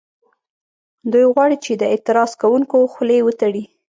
دوی غواړي چې د اعتراض کوونکو خولې وتړي